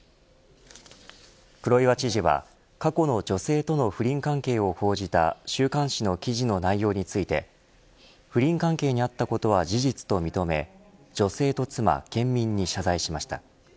黒岩知事は、過去の女性との不倫関係を報じた週刊誌の記事の内容について不倫関係にあったことは事実と認め女性と妻、県民に謝罪しました。